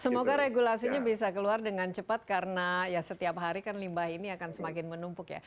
semoga regulasinya bisa keluar dengan cepat karena ya setiap hari kan limbah ini akan semakin menumpuk ya